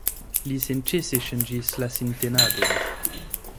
Li senĉese ŝanĝis la sintenadon.